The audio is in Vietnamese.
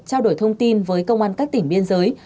trao đổi thông tin với công an các tỉnh biên giới